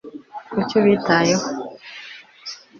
kuki ubitayeho